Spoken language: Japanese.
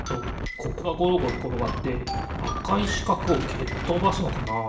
ここがゴロゴロころがってあかいしかくをけっとばすのかな？